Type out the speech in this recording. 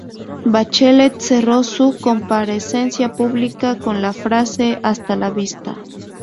Bachelet cerró su comparecencia pública con la frase "Hasta la vista"